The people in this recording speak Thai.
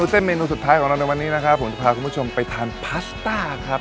เส้นเมนูสุดท้ายของเราในวันนี้นะครับผมจะพาคุณผู้ชมไปทานพาสต้าครับ